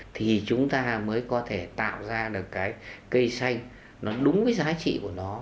thì chúng ta mới có thể tạo ra được cái cây xanh nó đúng cái giá trị của nó